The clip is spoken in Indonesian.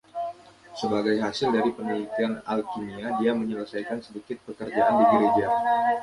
Sebagai hasil dari penelitian alkimia, dia menyelesaikan sedikit pekerjaan di gereja.